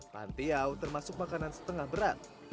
pantiau termasuk makanan setengah berat